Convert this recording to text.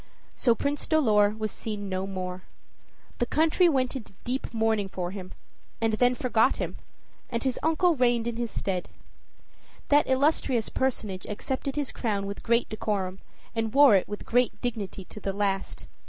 So Prince Dolor was seen no more. The country went into deep mourning for him, and then forgot him, and his uncle reigned in his stead. That illustrious personage accepted his crown with great decorum, and wore it with great dignity to the last.